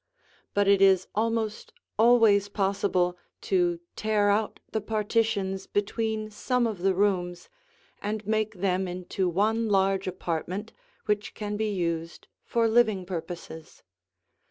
But it is almost always possible to tear out the partitions between some of the rooms and make them into one large apartment which can be used for living purposes.